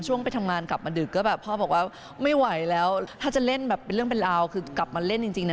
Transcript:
ไปทำงานกลับมาดึกก็แบบพ่อบอกว่าไม่ไหวแล้วถ้าจะเล่นแบบเป็นเรื่องเป็นราวคือกลับมาเล่นจริงนะ